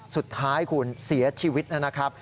สุดท้ายคุณเสียชีวิตนะครับ